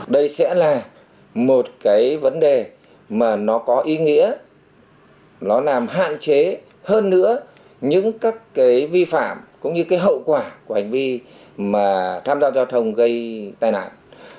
đây sẽ là một cái vấn đề mà nó có ý nghĩa nó làm hạn chế hơn nữa những các cái vi phạm cũng như cái hậu quả của hành vi mà tham gia giao thông gây tai nạn